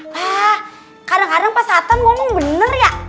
pak kadang kadang pas satan ngomong bener ya